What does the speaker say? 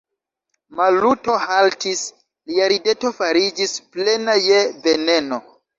Maluto haltis, lia rideto fariĝis plena je veneno.